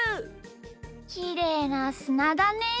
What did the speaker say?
きれいなすなだね。